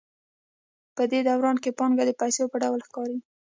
په دې دوران کې پانګه د پیسو په ډول ښکارېږي